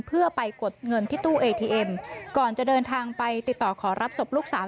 เพื่อไปกดเงินที่ตู้เอทีเอ็มก่อนจะเดินทางไปติดต่อขอรับศพลูกสาว